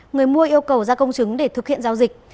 người mua yêu cầu ra công chứng để thực hiện giao dịch